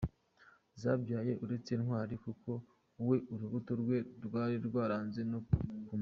zabyaye, uretse Ntwari kuko we urubuto rwe rwari rwaranze no kumera!.